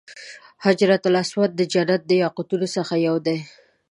حجر اسود د جنت د یاقوتو څخه یو دی.